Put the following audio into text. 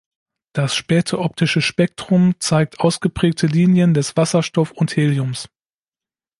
Das späte optische Spektrum zeigt ausgeprägte Linien des Wasserstoff und Heliums.